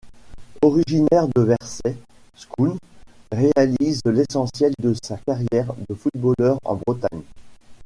Originaire de Jersey, Scoones réalise l'essentiel de sa carrière de footballeur en Bretagne.